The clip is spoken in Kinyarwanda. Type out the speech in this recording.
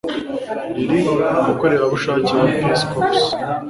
Lily umukorerabushake wa Peace Corps